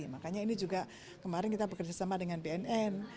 makanya ini juga kemarin kita bekerjasama dengan bnn